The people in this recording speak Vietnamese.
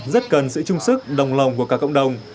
rất cần sự trung sức đồng lòng của cả cộng đồng